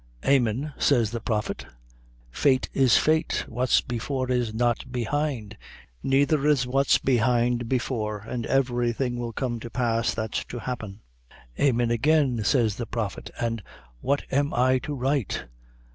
Amin, says the prophet; fate is fate, what's before is not behind, neither is what's behind before, and every thing will come to pass that's to happen. Amin, agin, says the prophet, an' what am I to write?